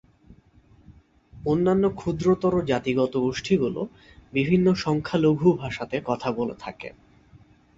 অন্যান্য ক্ষুদ্রতর জাতিগত গোষ্ঠীগুলি বিভিন্ন সংখ্যালঘু ভাষাতে কথা বলে থাকে।